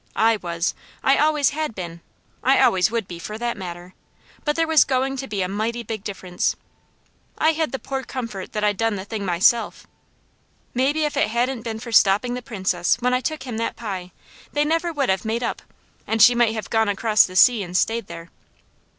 I was. I always had been. I always would be, for that matter; but there was going to be a mighty big difference. I had the poor comfort that I'd done the thing myself. Maybe if it hadn't been for stopping the Princess when I took him that pie, they never would have made up, and she might have gone across the sea and stayed there.